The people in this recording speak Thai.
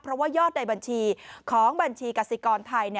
เพราะว่ายอดในบัญชีของบัญชีกษิกรไทย